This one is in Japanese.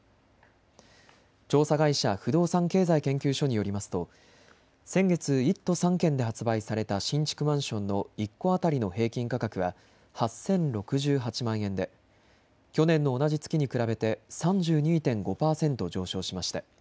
調査会社、不動産経済研究所によりますと先月、１都３県で発売された新築マンションの１戸当たりの平均価格は８０６８万円で去年の同じ月に比べて３２．５％上昇しました。